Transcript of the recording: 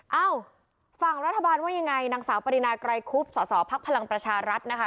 เอ้าฝั่งรัฐบาลว่ายังไงนางสาวปรินาไกรคุบสสพลังประชารัฐนะคะ